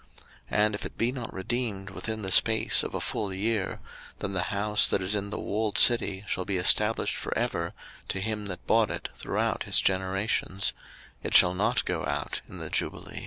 03:025:030 And if it be not redeemed within the space of a full year, then the house that is in the walled city shall be established for ever to him that bought it throughout his generations: it shall not go out in the jubile.